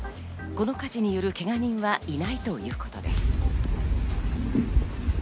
この火事によるけが人はいないということです。